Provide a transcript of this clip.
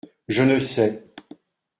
Je ne sais.